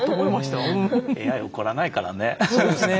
ＡＩ、怒らないからね。